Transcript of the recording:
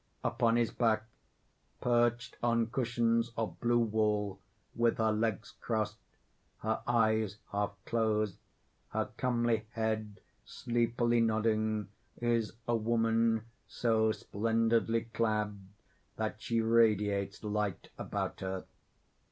_ _Upon his back, perched on cushions of blue wool, with her legs crossed, her eyes half closed, her comely head sleepily nodding, is a woman so splendidly clad that she radiates light about her.